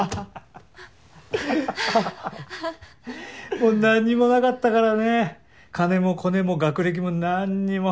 もう何にもなかったからね金もコネも学歴も何にも。